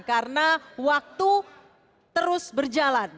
karena waktu terus berjalan